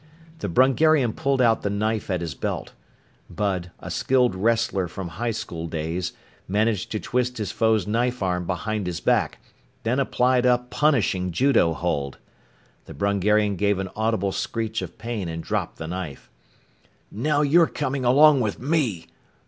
The Brungarian pulled out the knife at his belt. Bud, a skilled wrestler from high school days, managed to twist his foe's knife arm behind his back then applied a punishing judo hold! The Brungarian gave an audible screech of pain and dropped the knife. "Now you're coming along with me!"